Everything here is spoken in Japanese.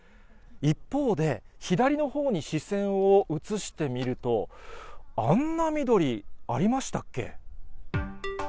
一方で、左のほうに視線を移してみると、あんな緑、ありましたっけ？